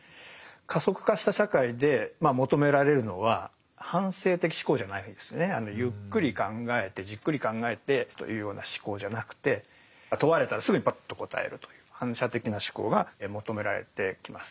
加速化した社会で求められるのは反省的思考じゃないんですねゆっくり考えてじっくり考えてというような思考じゃなくて問われたらすぐにバッと答えるという反射的な思考が求められてきます。